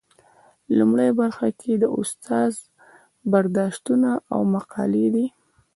لومړۍ برخه کې د استاد برداشتونه او مقالې دي.